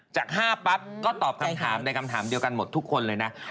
จาก๕ปั๊บก็ตอบคำถามในคำถามเดียวกันหมดทุกคนเลยนะ